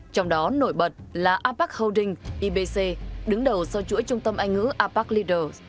trong đó nổi bật là apac holding ipc đứng đầu sau chuỗi trung tâm anh ưu